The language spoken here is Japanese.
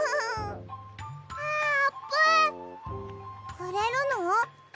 くれるの？